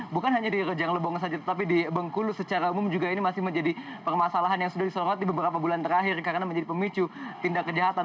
bukan hanya di rejang lebong saja tetapi di bengkulu secara umum juga ini masih menjadi permasalahan yang sudah disorot di beberapa bulan terakhir karena menjadi pemicu tindak kejahatan